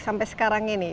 sampai sekarang ini